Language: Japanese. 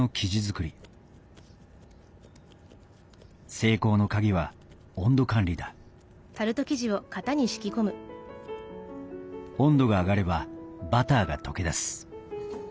成功の鍵は温度管理だ温度が上がればバターが溶けだす。